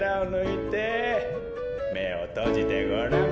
めをとじてごらん。